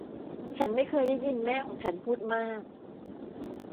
ฉันไม่เคยได้ยินแม่ของฉันพูดมาก